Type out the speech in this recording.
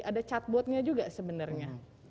ada chatbotnya juga sebenarnya